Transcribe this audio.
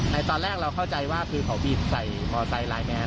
ตอนแรกเราเข้าใจว่าคือเขาบีบใส่มอไซค์ไลน์แมน